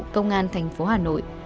công an thành phố hà nội